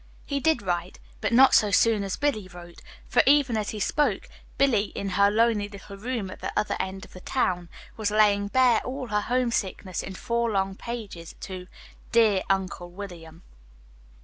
He did write but not so soon as Billy wrote; for even as he spoke, Billy, in her lonely little room at the other end of the town, was laying bare all her homesickness in four long pages to "Dear Uncle William."